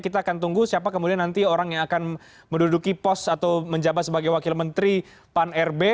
kita akan tunggu siapa kemudian nanti orang yang akan menduduki pos atau menjabat sebagai wakil menteri pan rb